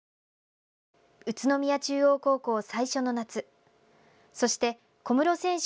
宇都宮中央高校最初の夏そして、小室選手